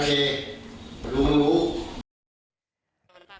แต่ตํ